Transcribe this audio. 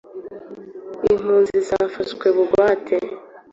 Impunzi zafashwe bugwate?